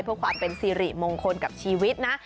เพื่อความเป็นสิริมงคลกับชีวิตนะ